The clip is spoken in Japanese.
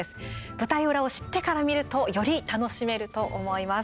舞台裏を知ってから見るとより楽しめると思います。